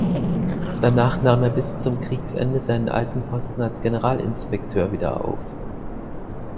Danach nahm er bis Kriegsende seinen alten Posten als Generalinspekteur wieder auf.